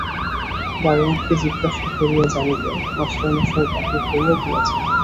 দরোয়ানকে জিজ্ঞাসা করিয়া জানিল, মাস্টারমশায় বাহির হইয়া গিয়াছেন।